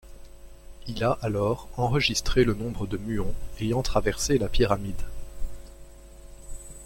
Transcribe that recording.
Il a alors enregistré le nombre de muons ayant traversé la pyramide.